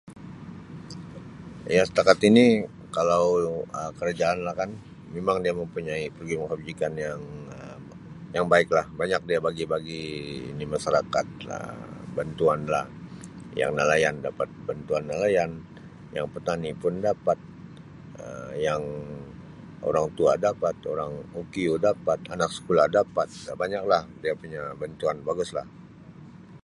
Ya, setakat ini kalau Um kerajaan lah kan memang dia mempunyai program kebajikan yang Um yang baiklah, banyak dia bagi-bagi ini masarakat Um bantuan lah yang nelayan dapat bantuan nelayan, yang petani pun dapat Um yang orang tua dapat, orang OKU dapat, anak sekolah dapat Um banyaklah dia punya bantuan, baguslah.